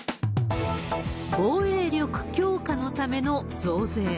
防衛力強化のための増税。